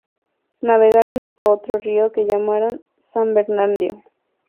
Navegaron hasta otro río que llamaron San Bernardino.